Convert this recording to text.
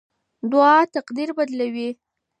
دعا تقدیر بدلوي.